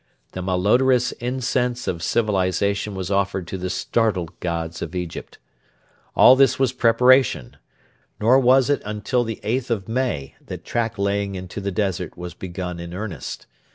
The malodorous incense of civilisation was offered to the startled gods of Egypt. All this was preparation; nor was it until the 8th of May that track laying into the desert was begun in earnest.